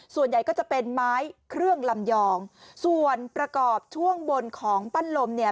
ส่วนใหญ่ก็จะเป็นไม้เครื่องลำยองส่วนประกอบช่วงบนของปั้นลมเนี่ย